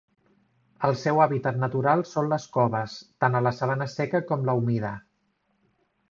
El seu hàbitat natural són les coves, tant a la sabana seca com la humida.